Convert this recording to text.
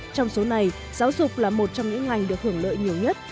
trong số này giáo dục là một trong những ngành được hưởng lợi nhiều nhất